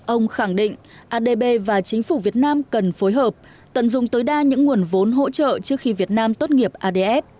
ông khẳng định adb và chính phủ việt nam cần phối hợp tận dụng tối đa những nguồn vốn hỗ trợ trước khi việt nam tốt nghiệp adf